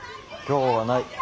今日はない。